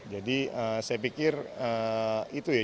jadi saya pikir itu ya